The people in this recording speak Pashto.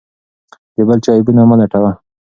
د بل چا عیبونه مه لټوه.